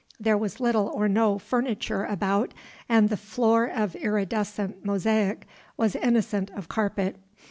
There was little or no furniture about, and the floor of iridescent mosaic was innocent of carpet.